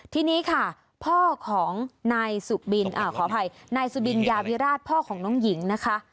ทีนี้ค่ะพ่อของนายสุบินขออภัยนายสุบินยาวิราชพ่อของน้องหญิงนะคะ